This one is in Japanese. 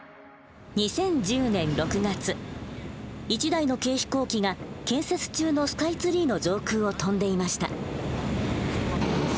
１台の軽飛行機が建設中のスカイツリーの上空を飛んでいました。